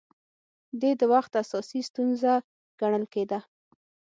دې د وخت اساسي ستونزه ګڼل کېده